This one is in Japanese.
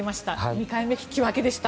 ２回目は引き分けでした。